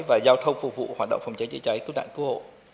và giao thông phục vụ hoạt động phòng cháy chữa cháy cứu nạn cứu hộ